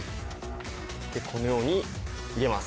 このように入れます。